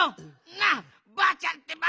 なあばあちゃんってば！